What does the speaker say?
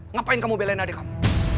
ngapain kamu belain adik kamu